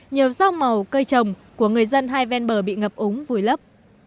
nhiều rau màu cây trồng của người dân hai ven bờ bị ngập úng vùi lấp